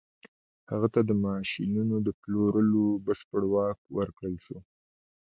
هغه ته د ماشينونو د پلورلو بشپړ واک ورکړل شو.